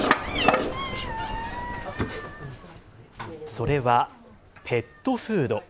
それはペットフード。